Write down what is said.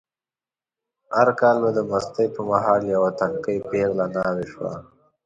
هر کال به د مستۍ په مهال یوه تنکۍ پېغله ناوې شوه.